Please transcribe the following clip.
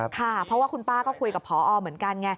ค่ะเพราะว่าคุณป้าก็คุยกับพอเหมือนกันไง